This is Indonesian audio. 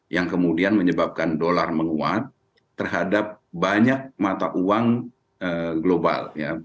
yang kemudian menyebabkan dolar menguat terhadap banyak mata uang global